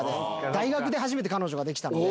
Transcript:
大学で初めて彼女ができたので。